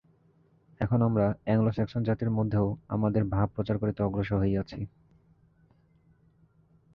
এখন আমরা অ্যাংলো-স্যাক্সন জাতির মধ্যেও আমাদের ভাব-প্রচার করিতে অগ্রসর হইয়াছি।